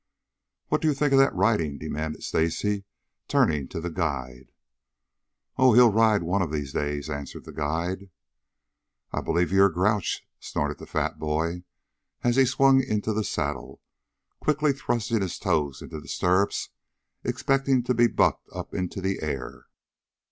"What do you think of that for riding?" demanded Stacy, turning to the guide. "Oh, he'll ride one of these days," answered the guide. "I believe you're a grouch," snorted the fat boy, as he swung into the saddle, quickly thrusting his toes into the stirrups, expecting to be bucked up into the air.